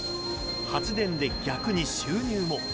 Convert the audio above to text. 発電で逆に収入も。